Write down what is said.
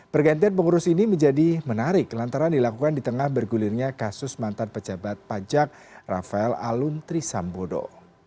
pergantian pengurus ini menjadi menarik lantaran dilakukan di tengah bergulirnya kasus mantan pejabat pajak rafael alun trisambodo